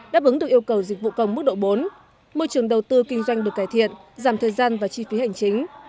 đáp ứng được yêu cầu dịch vụ công mức độ bốn môi trường đầu tư kinh doanh được cải thiện giảm thời gian và chi phí hành chính